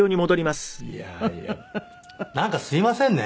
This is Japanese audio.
いやいやなんかすみませんね。